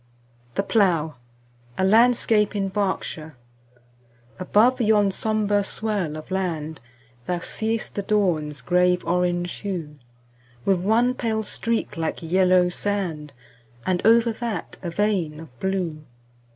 The Plough A LANDSCAPE IN BERKSHIRE ABOVE yon sombre swell of land Thou see'st the dawn's grave orange hue, With one pale streak like yellow sand, And over that a vein of blue.